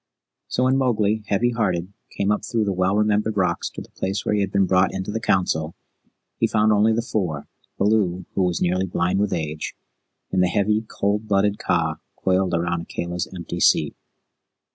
So when Mowgli, heavy hearted, came up through the well remembered rocks to the place where he had been brought into the Council, he found only the Four, Baloo, who was nearly blind with age, and the heavy, cold blooded Kaa coiled around Akela's empty seat.